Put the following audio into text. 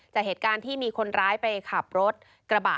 จากเหตุการณ์ที่มีคนร้ายไปขับรถกระบะ